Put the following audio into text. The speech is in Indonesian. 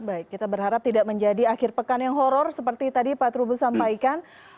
baik kita berharap tidak menjadi akhir pekan yang horror seperti tadi pak trubus sampaikan